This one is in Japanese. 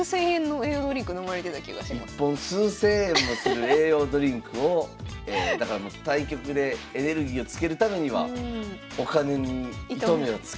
１本数千円もする栄養ドリンクをだから対局でエネルギーをつけるためにはお金に糸目をつけない。